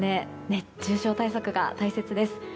熱中症対策が大切です。